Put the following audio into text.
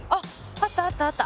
あったあったあった。